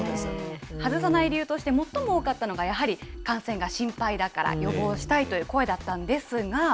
外さない理由として最も多かったのが、やはり感染が心配だから予防したいという声だったんでですが？